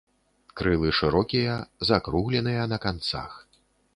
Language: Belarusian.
Крылы шырокія, закругленыя на канцах.